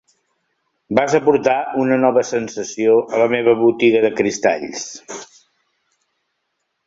Vas aportar una nova sensació a la meva botiga de cristalls.